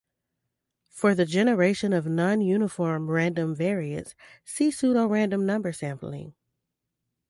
For the generation of non-uniform random variates, see Pseudo-random number sampling.